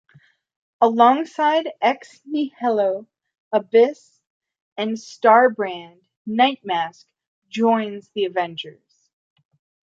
Alongside Ex Nihilo, Abyss, and Star Brand, Nightmask joins the Avengers.